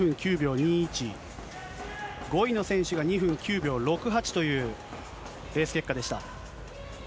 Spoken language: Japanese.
２１、５位の選手が２分９秒６８というレース結果でした。